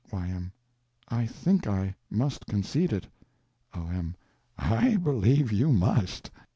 Y.M. I think I must concede it. O.M. I believe you must.